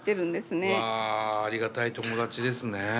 うわありがたい友達ですね。